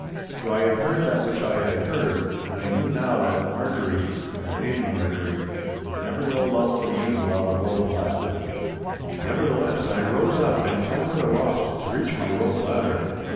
For I had heard that which I had heard, and I knew now that Marjorie, my Lady Marjorie, would never know love for me while the world lasted. Nevertheless, I rose up and clambered aloft to reach my rope ladder.